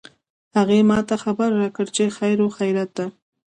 هغې ما ته خبر راکړ چې خیر او خیریت ده